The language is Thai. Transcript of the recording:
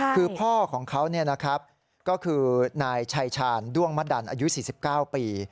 คือพ่อของเขาก็คือนายชัยชาญด้วงมะดันอายุ๔๙ปี